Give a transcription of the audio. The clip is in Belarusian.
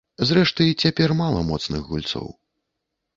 Зрэшты, цяпер мала моцных гульцоў.